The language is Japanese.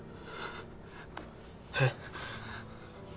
えっ？